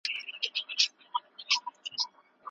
که کره کتونکی نظر ولرئ نو څېړنه به مو ښه سي.